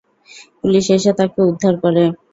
Police এসে তাকে উদ্ধার করে।